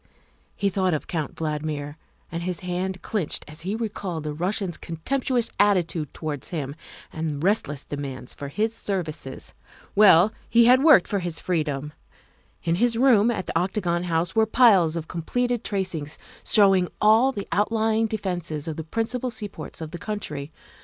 He thought of Count Valdmir, and his hand clinched as he recalled the Rus sian's contemptuous attitude towards him and relentless demand for his services. Well, he had worked for his freedom. In his room at the Octagon House were piles of completed tracings showing all the outlying defences of the principal seaports of the country.